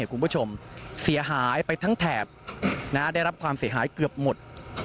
คุณผู้ชมเสียหายไปทั้งแถบได้รับความเสียหายเกือบหมด